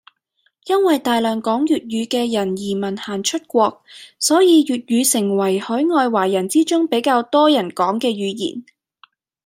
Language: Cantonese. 因為大量講粵語嘅人移民行出國，所以粵語成為海外華人之中比較多人講嘅語言